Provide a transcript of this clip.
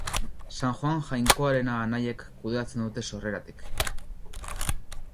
San Joan Jainkoarena anaiek kudeatzen dute sorreratik.